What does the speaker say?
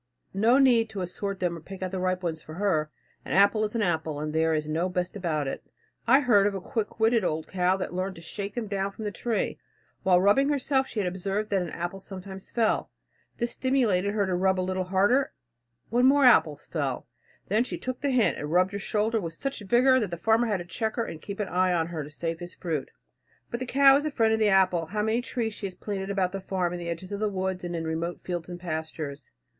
No need to assort them or pick out the ripe ones for her. An apple is an apple, and there is no best about it. I heard of a quick witted old cow that learned to shake them down from the tree. While rubbing herself she had observed that an apple sometimes fell. This stimulated her to rub a little harder, when more apples fell. She then took the hint and rubbed her shoulder with such vigor that the farmer had to check her and keep an eye on her to save his fruit. But the cow is the friend of the apple. How many trees she has planted about the farm, in the edge of the woods, and in remote fields and pastures.